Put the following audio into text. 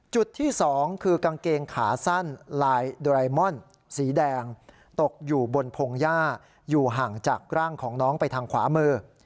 จุดที่๒คือกางเกงขาสั้นลายโดไรมอนสีแดงตกอยู่บนพงหญ้าอยู่ห่างจากร่างของน้องไปทางขวามือ